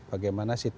bagaimana situasi ini